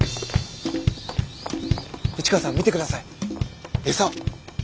市川さん見て下さい餌。